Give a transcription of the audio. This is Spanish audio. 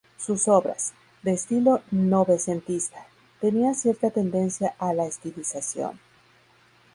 Sus obras, de estilo novecentista, tenían cierta tendencia a la estilización.